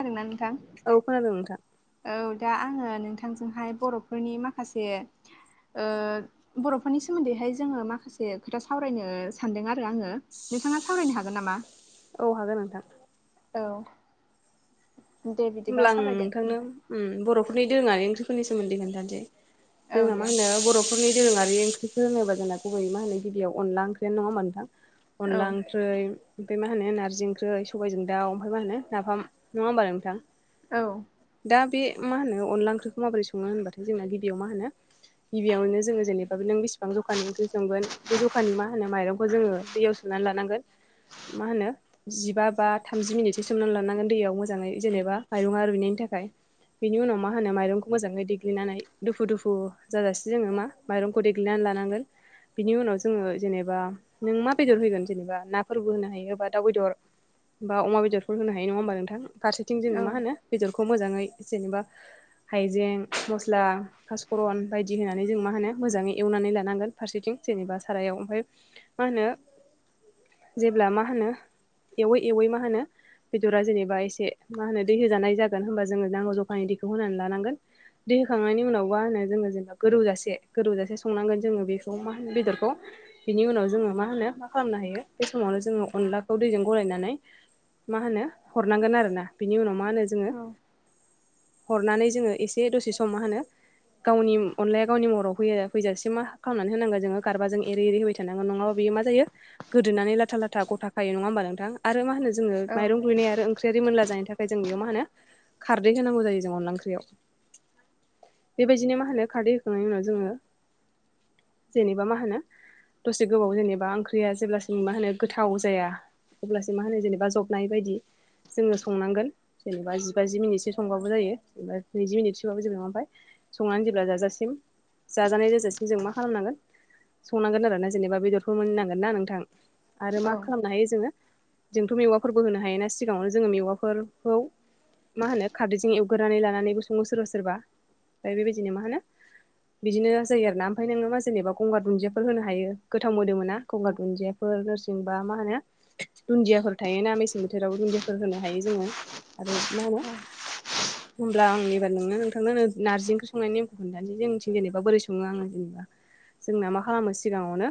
खोनादोंना नोंथां औ खोनादों नोंथां औ दा आंङो नोंथांजोंहाय बर'फोरनि माखासे उम बर'फोरनि सोमोन्दैहाय जोनङो माखासे खोथा सावरायनो सानदों आरो आङो नोंथांङा सावरायनो हागोन ना मा? औ हागोन नोंथां। औ दे बिदिबा होमब्ला आं सावरायदो नोंथांनो नोंथां। उम बर'फोरनि दोरोंङारि ओंख्रिफोरनि सोमोन्दै खोन्थानोसै औ जोंना दे मा होनो बर'फोरनि दोरोंङारि ओंख्रिफोर होनोबा जोंना गुबै मा होनो गिबियाव अनला ओख्रियानो नंङा होनबा नोंथां औ अनला ओंख्रै ओमफ्राय मा होनो नारजि ओंख्रि सबायजों दाउ ओमफ्राय मा होनो नाफाम नंङा होमबा‌ नोंथां औ दा बे मा होनो अनला ओंख्रिखौ माबोरै संङो होनबाथाय जोंना गिबियाव मा होनो गिबियावनो जोंङो जेनेबा नों बेसिबां जखानि ओंख्रि संगोन बै जखानि मा होनो माइरंखौ जोंङो दैयाव सोम [unintelligible] मा होनो जिबा बा थामजि मिनिटसो सोमनानै लानांगोन दैयाव मोजांङै जेनेबा माइरंआ रुइनायनि थाखाय बिनि उनाव मा होनो माइरंखौ मोजाङै देग्लिनानै दुफु दुफु जाजासै जोंङो मा माइरंखौ देग्लिनानै लानांगोन बिनि उनाव जोंङो जेनेबा नों मा बेदर होगोन जेनेबा ना फोरबो होनो हायो एबा दाउ बेदर बा अमा बेदरफोर होनो हायो नंङा होमबा नोंथां फसेथिं जोंङो औ मा बेफोरखौ मोजांङै जेनेबा हाइजें मस्ला पासकरन बायदि होनानै जों मा होनो मोजांङै एवनानै लानांगोन फारसेथिं जेनेबा सारायाव ओमफ्राय मा होनो [inaudible] जेब्ला मा होनो एवै एवै मा होनो बेदरा जेनेबा एसे मा होनो दै होजानाय जागोन होनोमबा जोंङो नांगौ जखानि दैखौ होनानै लानांगोन दै होखांनायनि उनाव मा होनो जोंङो जेनेबा गोदौजासे गोदौजासे संनांगोन जोंङो बेखौ मा होनो बेदरखौ बिनि उनाव जोंङो मा होनो मा खालामनो हायो बे समावनो जोंङो अनलाखौ दैजों गलायनानै मा होनो हरनांगोन आरोना बिनि उनाव मा होनो जोंङो औ हरनानै जोंङो एसे दसे सम मा होनो गावनि अनलाया गावनि महराव फै फैजासे मा खालामना होनांगोन जोंङो गारबा जों एरै एरैहोबबाय थानांगोन नंङाबा बेयो मा जायो गोदोनानै लाथा लाथ गथाखायो नंङा होनबा नोंथां आरो माहोनो जोंङो औ माइरं रुयनाय आरो ओंख्रिया रिमोनला जानाय ओमफ्राय जों बेयाव मा होनो खारदै होनांगौ जायो जों अनला ओंख्रियाव बेबायदिनो मा होनो खारदै होखांनायनि उनाव जोंङो जेनेबा मा होनो दसे गोबाव जेनेबा ओंख्रिया जेब्लासिम मा होनो गोथाव जाया अब्लासिम मा होनो जेनेबा जबनाय बायदि जोंङो संनांगोन जेनेबा जिबा जि मिनिटसो संबाबो जायो जेनेबा नैजि मिनिटसोबाबो जेबो नंङा ओमफ्राय संनानै जेब्ला जाजासिम जाजानाय जाजासिम जों मा खालामनांगोन संनांगोन आरोना जेनेबा बेदरखौ मोननांगोन ना नोंथां आरो औ मा खालामनो हायो जोंङो जोंथ' मेवाफोरबो होनो हायो ना सिगांङावनो जोंङो मेवाफोर [unintelligible] मा होनो खारदैजों एवगोरनानै लानानैबो संङो सोरबा सोरबा बेबायदिनो मा होनो बिदिनो जायो आरो ना ओमफाय नोंङो मा जेनेबा गंगार दुन्दियाफोर होनो हायो गोथाव मोदोमोना गंगार दुन्दियाफोर बो नोरसिं बा मा होनो दुनदियाफोर थायोना मेसें बोथोराव दुनदियाफोर होनो हायो जोंङो। आरो मा होनो होमब्ला आं एबार नोंनो नोंथांनो नो नारजि ओंख्रि संनायनि नेमखौ खोन्थानोसै जोंनिथिं जेनेबा बोरै संङो आंङो जेनेबा जोंना मा खालामो सिगाङावनो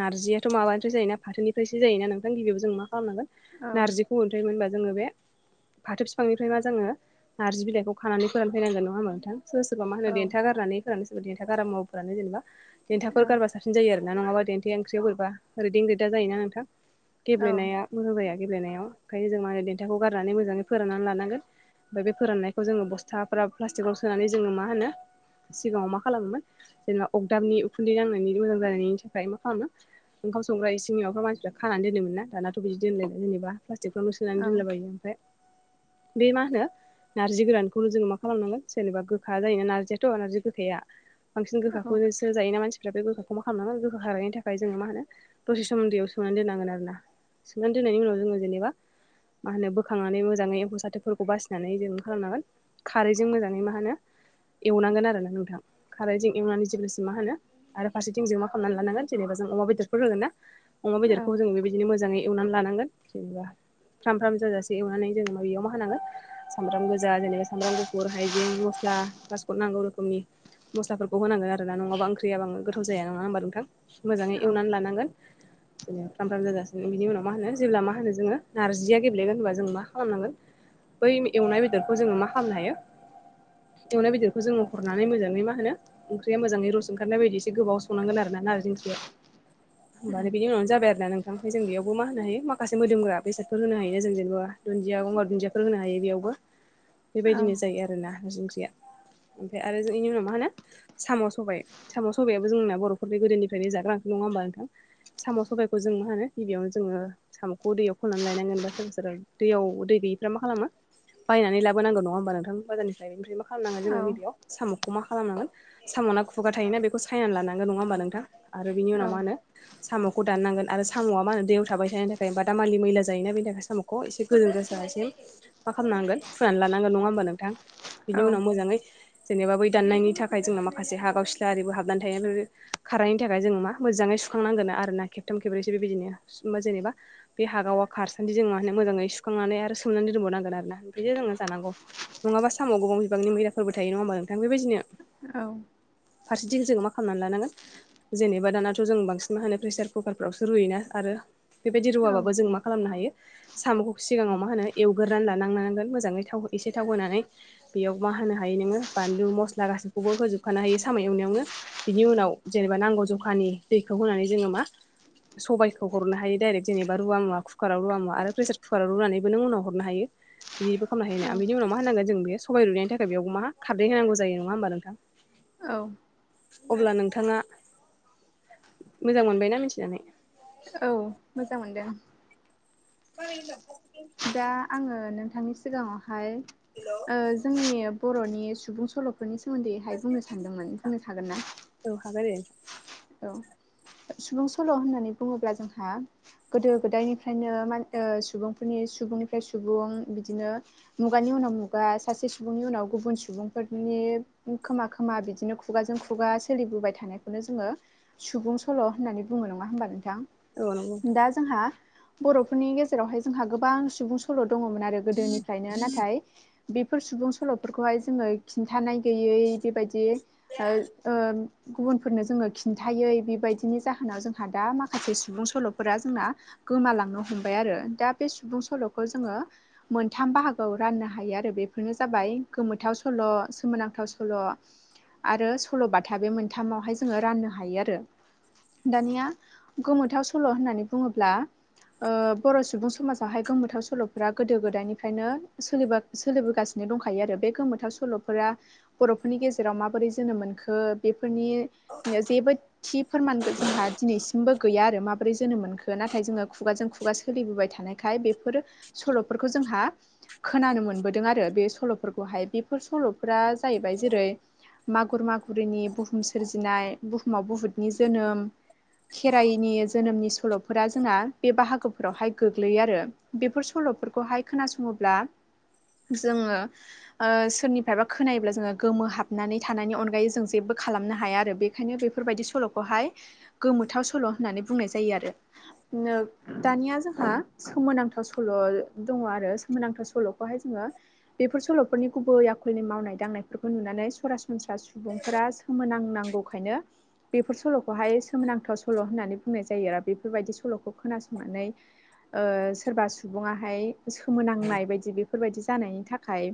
नारजियाथ' माबानिफ्राय जायोना फाथोनिफ्रायसो जायोना नोंथां गिबियाव जों मा खालामनांगोन औ नारजिखौ ओंख्रै मोनबा जोङो बे फाथो बिफांनिफ्राय मा जोङो नारजि बिलाइखौ खानानै फोरान फैनांगोन नङा होमबा नोंथां? सोरबा सोरबा मा होनो देथा औ गारनानै फोरानो सोरबा देन्था गारा मुवाबो फोरानो जेनेबा औ देथाफोर गारबा साबसिन जायो आरोना नङाबा देन्थाया ओंख्रियाव बोरैबा रोदिं रोदा जायोना नोंथां? औ गेब्लेनाया मोजां जाया गेब्लेनायाव ओंखायनो जों मा होनो देन्थाखौ गारनानै मोजाङै फोराननानै लानांगोन। बे फोराननायखौ जोङो बस्थाफोरा प्लास्टिकाव सोनानै जोङो मा होनो सिगाङाव मा खालामोमोन जेनेबा अगदाबनि उखुन्दै नांनायनि मोजां जानायनि थाखाय मा खालामो ओंखाम संग्रा इसिंनि माबाफ्राव मानसिफ्रा खानानै दोनोमोनना दानाथ' बिदि दोनलाय जेनबा प्लास्टिकफ्रावनो सोनानै दोनला बायो। [unintelligible] बे मा होनो नारजि गोरानखौनो जोङो मा खालामनांगोन जेनेबा गोखा जायोना नारजियाथ' नारजि गोखाया। बांसिन गोखाखौनोसो जायो ना मानसि फ्रा बे गोखाखौ मा खालामनानै गोखा खारनायनि थाखाय जोङो मा होनो दसे सम दैआव सोमनानै दोननांगोन आरो ना। सोमनानै दोननायनि उनाव जोङो जेनेबा मा होनो बो बोखांनानै मोजाङै एम्फौ साथोफोरखौ बासिनानै जों खालामनांगोन खारैजों मोजाङै मा होनो एवनांगोन आरोना नोंथां खारैजों एवनानै जेब्लासिम मा होनो आरो फारसेथिंजों मा खामनानै लानांगोन जेनेबा जों अमा बेदरफोर होगोना? अमा बेदरखौ जोङो बेबायदिनो मोजाङै एवनानै लानांगोन जेनेबा फ्राम फ्राम जाजासिम एवनानै जों मा बेयाव मा होनानांगोन सामब्राम गोजा जेनेबा सामब्राम गुफुर हाइजें मस्ला गासैखौबो नांजो नांगौ रोखोमनि मस्लाफोरखौ होनांगोन आरो ना नाङाबा ओंख्रियाबाङो गोथाव जाया नङा होमबा नोंथां? मोजाङै एवनानै लानांगोन। जेन फ्राम फ्राम जाजासिम बिनि उनाव मा होनो जेब्ला मा होनो जोङो नारजिया गेब्लेगोन होनबा जों मा खालामनांगोन बै एवनाय बेदरखौ जोङो मा खालामनो हायो एवनाय बेदरखौ जोङो हरनानै मोजाङै मा होनो ओंख्रिया मोजाङै रस ओंखारनाय बायदि एसे गोबाव संनांगोन आरो ना नारजि ओंख्रिया। होमबा उम बिनि उनावनो जाबाय आरो ना नोंथां। ओमफ्राय जों बेयावबो मा होनो हायो माखासे मोदोमग्रा बेसादफोर होनो हायो जों जेनेबा दुन्दिया गंगार दुन्दियाफोर होनो हायो बेयावबो औ बेबायदिनो जायो आरो ना नारजि ओंख्रिया। ओमफाय आरो जों इनि उनाव मा होनो साम' सबाय। साम' सबायाबो जोंना बर'फोरनि गोदोनिफ्रायनो जाग्रा ओंख्रि। नङा होमबा नोंथां? साम' सबायखौ जों मा होनो गिबियावनो जोङो साम'खौ दैयाव खननानै लायनांगोन बा सोरबा सोरबा दैयाव दै गैयिफ्रा मा खालामो बायनानै लाबोनांगौ नङा होमबा नोंथां बाजारनिफ्राय निफ्राय मा खालामनांगोन औ जोङो गिबियाव साम'खौ मा खालामनांगोन साम'ना खुगा थायोना बेखौ सायनानै लानांगोन नङा होमबा नोंथां? आरो बिनि उनाव मा होनो साम'खौ दाननांगोन आरो सा साम'आ मा होनो दैयाव थाबाय थानायनि थाखाय बादामालि मैला जायोना बेनि थाखाय साम'खौ एसे गोजों जासासिम मा खालामनांगोन फुनानै लानांगोन नङा होमबा नोंथां बिनि औ उनाव मोजाङै जेनेबा बै दाननायनि थाखाय जोंना माखासे हागाव सिलारिबो हाबनानै थायो ओमफ्राय खारनायनि थाखाय जोङो मा मोजाङै सुखांनांगोन आरोना खेबथाम खेबब्रैसो बिबायदिनो सुम जेनेबा बे हागाव खारसानदि जों मा होनो मोजाङै सु सुखांनानै आरो सोमनानै दोनबावनांगोन आरोना ओमफ्रायो जोङो जानांगौ। नङाबा सामुवाव गोबां बिबांनि मैलाफोरबो थायो नङा होमबा नों नोंथां बेबायदिनो। औ। फारसेथिं जोङो मा खालामनानै लानांगोन जेनेबा दानाथ' जों बांसिन मा होनो प्रेसार कुकारफ्रावसो रुयोना आरो बेबायदि औ रुवाबाबो जों मा खालामनो हायो साम'खौ सिगाङाव मा होनो एवगोरानै लानांनांगोन मोजाङै थाव एसे थाव होनोनानै बेयाव मा होनो हायो नोङो बानलु मस्ला गासैखौबो होजोबखानो हायो साम' एवनायावनो बिनि उनाव जेनेबा नांगौ जखानि दैखौ ज' होनानै जोंगो मा स'बाइखौ हरनो हायो दाइरेग जेनेबा रुआ मुवा कुकाराव रुआ मुवा आरो प्रेसार कुवाराव रुनानैबो नों उनाव हरनो हायो। बिदिबो खालामनोायो ना बिनि उाव मा होनांगोन जों बे सबाय रुनायनि थाखाय बेयाव मा खारदै होनांगौ जायो नङा होमबा नोंथां। औ अब्ला नोंथाङा मोजां मोनबायना मिथिनानै औ मोजां मोनदों। [unintelligible] दा आङो नोंथांनि सिगाङावहाय ओ जोंनि बर'नि सुबुं सल'फोरनि सोमोन्दैहाय बुंनो सानदोंमोन बुंनो सागोनना? औ हागोन दे औ सुबुं सल' होननानै बुङोब्ला जोंहा गोदो गोदायनिफ्रायनो सुबुंफोरनि सुबुंनिफ्राय सुबुं बिदिनो मुगानि उनाव मुगा सासे सुबुंनि उनाव गुबुन सुबुंफोरनि नि खोमा खोमा बिदिनो खुगाजों खुगा सोलिबोबाय थानायखौनो जोङो सुबुं सल' होननानै बुङो नङा होमबा नोंथां। औ नंगौ नोंथां दा जोंहा बर'फोरनि गेजेरावहाय जोंहा गोबां सुबुं सल' दङमोन आरो गोदोनिफ्रायनो नाथाय बेफोर सुबुं सल'फोरखौहाय जोङो खिन्थानाय गैयै बेबायदियै ओ गुबुनफोरनो जोङो खि खिन्थायै बेबायदिनि जाहोनाव जोंहा दा माखासे सुबुं सल'फोरा जोंना गोमालांनो हमबाय आरो रो दा बे सुबुं सल'खौ जोङो मोनथाम बाहागोआव राननो हायो आरो बेफोरनो जाबाय गोमोनथाव सल' सोमोनांथाव सल' आरो सल'बाथा बे मोनथामावहाय जोङो राननो हायो। हायो आरो दानिया गोमोथाव सल' होननानै बुङोब्ला ओ बर' सुबुं समाजावहाय गोमोथाव सल'फोरा गोदो गोदायनिफ्रायनो सोलिबोगासिनो। दंखायो आरो बे गोमोथाव सल'फोरा बर'फोरनि गेजेराव माबोरै जोनोम मोनखो बे बेफोरनि जेबो थि फोरमान जोंहा दिनैसिमबो गैया आरो माबोरै जोनोम मोनखो नाथाय जोङो खुगाजों खुगा सोलिबो बो थानायखाय बेफोर सल'फोरखौ जोंहा खोनानो मोनबोदों आरो बे सल'फोरखौहाय। बेफोर सल'फोरा जाहैबाय जेरै मागुर मागुरिनि बुहुम सोरजिनाय बुहुमा बहुतनि जोनोम खेराइनि जोनोमनि सल'फोरा जोंना बे बाहागोफोरावहाय गोग्लैयो आरो बेफोर सल' स'लफोरखौ हाय खोनासङोब्ला जोङो ओ सोरनिफ्रायबा खोनायोब्ला जोङो गोमो हाबनानै थानायनि अनगायै जों जेबो खालामनो हाया आरोस बे खाय ओंखायनो बेफोरबायदि सल'खौहाय गोमोथाव सल' होननानै बुंनाय जायो आरो नों दाय दानिया जोंहा सोमोनांथाव सल' दङ आरो सोमोनांथाव सल'खौहाय जोङो बर'फोरनि गुबै आखलनि मावनाय दांनायफोरखौ नुनानै सरासनस्रा सुबुंफोरा सोमोनांनांगौ। ओंखायनो बेफोर सल'खौहाय सोमोनांथाव सल' होननानै बुंनाय जायो आरो बेफोरबायदि सल'खौ खोनासंना नै ओ सोरबा सुबुङाहाय सोमोनांनाय बायदि बेफोरबायदि जानायनि थाखाय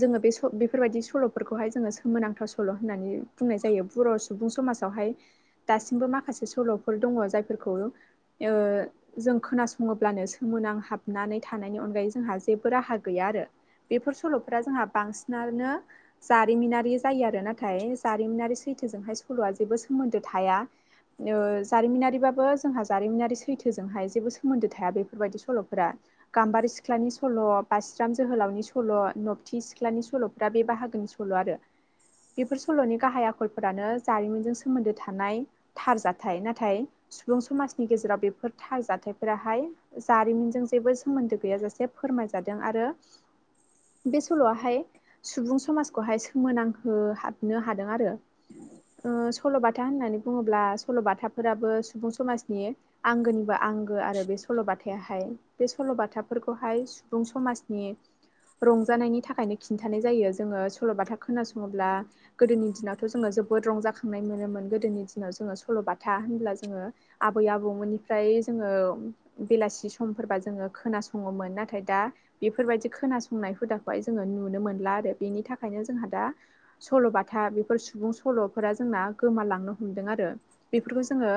जोङो बे बेफोरबायदि सल'फोरखौहाय जोङो सोमोनांथाव सल' होननानै बुंनाय जायो। बर' सुबुं समाजावहाय दासिमबो माखासे सल'फोर दङ जायफोरखौ ओ जों खोनासङोब्लानो सोमोनां हाबनानै थानायनि अनगायै जोंहा जेबो राहा गैया आरो बेफोर सल'फोरा जोंहा बांसिनानो जारिमिनारि जायो आरो नाथाय जारिमिनारि सैथोजोंहाय सल'आ जेबो सोमोन्दो थाया। ओ जारिमिनारिबाबो जोंहा जारिमिनारि सैथोजोंहाय जेबो सोमोन्दो थाया बेफोरबायदि सल'फोरा। गाम्बारि सिख्लानि सल' बासिराम जोहोलावनि सल' नबथि सिख्लानि सल'फ्रा बे बाहागो नि सल' आरो बेफोर सल'नि गाहाया आख आखलफोरानो जारिमिनजों सोमोन्दो थानाय थार जाथाय नाथाय सुबुं समाजनि गेजेराव बे बेफोर थार जाथायाइफोराहाय जारिमिनजों जेबो सोमोन्दो गैयाजासे फोरमायजादों आरो बे सल'आहाय सुबुं समाजखौहाय सोमोनांहो हाबनो हादों आरो [inaudible] ओ सल'बाथा होननानै बुङोब्ला सल'बाथाफोराबो सुबुं समाजनि आंगोनि आंगो आरो बे सल'बाथाहाय बे सल'बाथाफोरखौहाय सुबुं समाजनि रंजानायनि थाखायनो खिन्थानाय जायो जोङो सल'बाथा खोनासङोब्ला गोदोनि दिनाव जोङो जोबोद रंजाखांनाय मोनोमोन गोदोनि दिनाव जोङो सल'बाथा होनब्ला जोङो आबै आबौमोननि नि जो बेलासि समफोरबा जोङो खोनासङोमोन नाथाय दा बेफोरबायदि खोनासंनाय हुदाखौहाय जोङो नुनो मोनला आरो बेनि थाखायनो जोंहा दा सल'बाथा बेफोर सुबुं सल'फोरा जोंना गोमालांनो हमदों आरो बेफोरखौ जोङो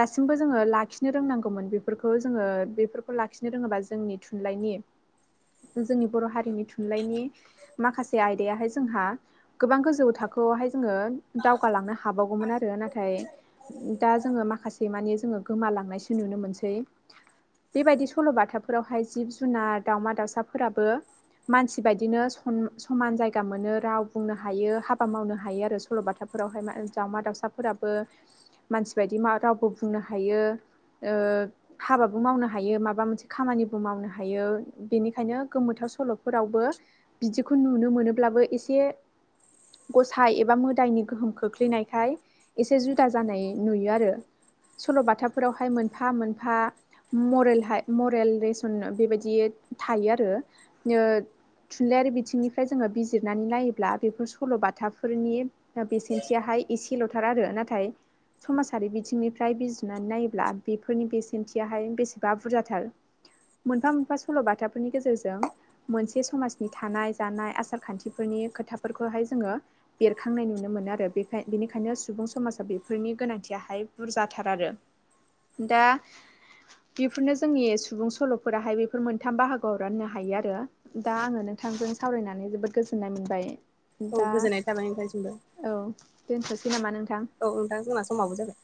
दासिमबो जोङो लाखिनो रोंनांगौमोन बेफोरखौ जोङो बेफोरखौ लाखिनो रोङोबा जोंनि थुनलाइनि जोंनि बर' हारिनि थुनलाइनि माखासे आयदायाहाय जोंहा गोबां गोजौ थाखोआवहाय जोंङो दावगालांनो हाबावगोन आरो नाथाय दा जोङो माखासे गोमा लांनायसो नुनो मोनसै। बेबायदि सल'बाथाफोरावहाय जिब जुनार दावमा दाउसाफोराबो। मानसि बायदिनो समान जायगा मोनो राव बुंनो हायो हाबा मावनो ह हायो आरो सल'बाथाफोरावहाय दाउमा दाउसाफोराबो मानसि बायदि रावबो बुंनो हायो। ओ हाबाबो मावनो हायो माबा मोनसे खामानिबो मावनो हायो बेनिखायनो गोमोथाव सल'फोरावबो बिदिखौ नुनो मोनोबबो एसे ग साइ एबा मोदायनि गोहोम खोख्लैनायखाय एसे जुदा जानाय नुयो आरो। सल'बाथाफोरावहाय मोनफा मोनफा मरेल हाय मरेल लेसन बेबायदि थायो आरो थुनलाइयारि बिथिंनिफ्राय जोङो बिजिरनानै नायोब्ला बेफोर सल'बाथाफोरनि। बेसेनथियाहाय एसेल'थार आरो नाथाय समाजारि बिथिंनिफ्राय बे सुुनानै नायोब्ला बेफोरनि बे सेमथियाहाय बेसेबा बुरजाथार। मोनफा मोनफा सल'बाथाफोरनि गेजेरजों मोनसे समाजनि थानाय जानाय आसार खान्थिफोरनि खोथाफोरखौहाय जोङो। बेरखांनाय नुनो मोनो आरो बेखाय बेनिखायनो सुबुं समाजा बेफोरनि गोनांथियाहाय बुरजाथार आरो। दा बेफोरनो जोंनि सुबुं सल'फोराहाय बेफोर मोनथाम बाहागोआव राननो हायो आरो दा आंङो नोंथांजों सावरायनानै जोबोद गोजोननाय मोनबाय औ दा औ [unintelligible] दोनथ'सै नामा नों औ नोंथां जोंना समावो जाबाय।